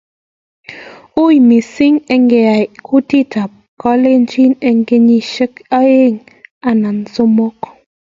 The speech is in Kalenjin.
uiy mising' inai kutit ab kalenjin eng' kenyishek aeng anan somok